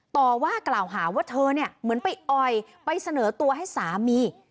ต่อว่ากล่าวหาว่าเธอเนี่ยเหมือนไปอ่อยไปเสนอตัวให้สามี